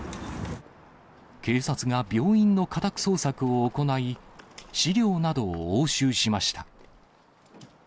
警察が病院の家宅捜索を行い、資料などを押収しました。